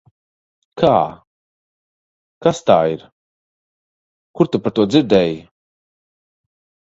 Kā? Kas tā ir? Kur tu par to dzirdēji?